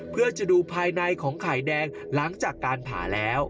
เพื่อจะดูภายในของไข่แดงหลังจากการผ่าแล้ว